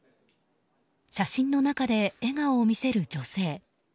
写真の中で笑顔を見せる女性。